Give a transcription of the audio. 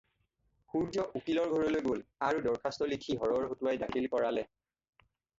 সূৰ্য্য উকীলৰ ঘৰলৈ গ'ল আৰু দৰ্খাস্ত লিখি হৰৰ হতুৱাই দাখিল কৰালে।